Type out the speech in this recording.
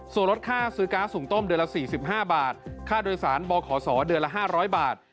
ส่วนลดค่าซื้อก๊าซหุ่งต้มเดือนละ๔๕บาทค่าโดยสารบขศเดือนละ๕๐๐บาท